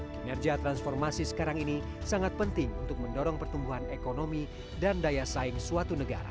kinerja transformasi sekarang ini sangat penting untuk mendorong pertumbuhan ekonomi dan daya saing suatu negara